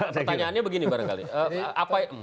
pertanyaannya begini bareng kali